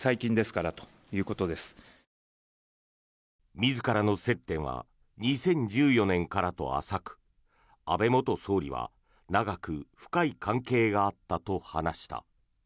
自らの接点は２０１４年からと浅く安倍元総理は長く深い関係があったと話した。